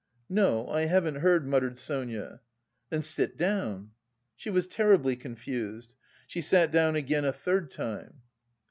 "No, I haven't heard," muttered Sonia. "Then sit down." She was terribly confused; she sat down again a third time.